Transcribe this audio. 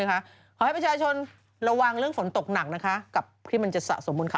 ขอให้ประชาชนระวังเรื่องฝนตกหนักนะคะกับที่มันจะสะสมบนค่ะ